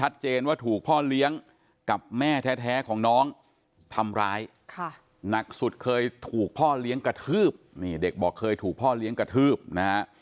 เด็กบอกเคยถูกพ่อเลี้ยงกระทืบนะฮะ